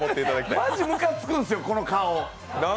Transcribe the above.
まじむかつくんですよ、この顔。